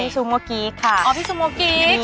อ๋อผู้ชมพู่ครับ